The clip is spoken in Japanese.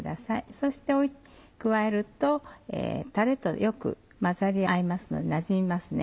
そして加えるとたれとよく混ざり合いますのでなじみますね。